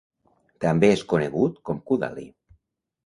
També és conegut com Kudali.